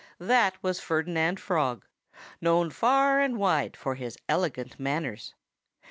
That was Ferdinand Frog known far and wide for his elegant manners.